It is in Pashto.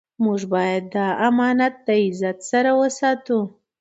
موږ باید دا امانت د عزت سره وساتو.